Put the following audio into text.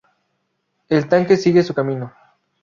El tanque sigue su camino.